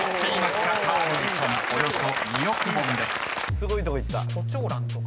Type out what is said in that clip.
すごいとこいった。